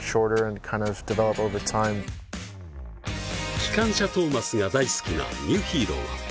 「きかんしゃトーマス」が大好きなニューヒーロー。